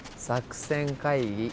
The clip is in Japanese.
作戦会議。